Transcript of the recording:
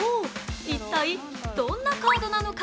一体どんなカードなのか。